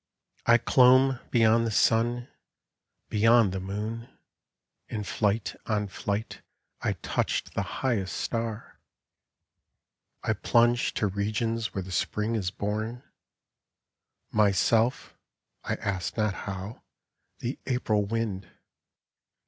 I clomb beyond the sun, beyond the moon; In flight on flight I touched the highest star; I plunged to regions where the Spring is bom. Myself (I asked not how) the April wind.